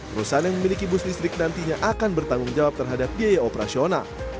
perusahaan yang memiliki bus listrik nantinya akan bertanggung jawab terhadap biaya operasional